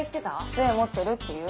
杖持ってるっていう？